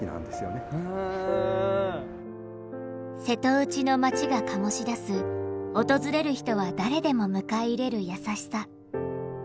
瀬戸内の町が醸し出す訪れる人は誰でも迎え入れる優しさ。